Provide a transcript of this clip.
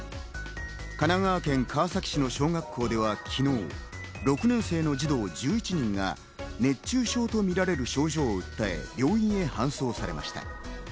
神奈川県川崎市の小学校では昨日、６年生の児童１１人が熱中症とみられる症状を訴え、病院へ搬送されました。